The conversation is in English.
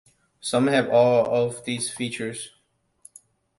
Some have all of these features.